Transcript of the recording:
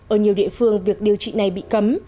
ở nhiều địa phương việc điều trị này bị cấm